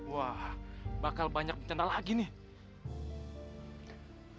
wah bakal banyak bencana lagi nih